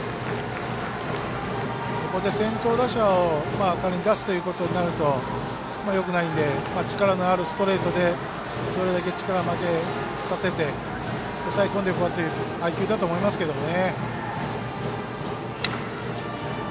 ここで先頭打者を仮に出すということになるとよくないんで力のあるストレートでどれだけ力負けさせて抑え込んでいくかという配球だと思いますけどね。